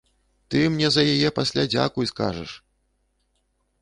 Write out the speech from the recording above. Ты мне за яе пасля дзякуй скажаш!